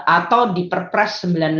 atau di perpres sembilan puluh delapan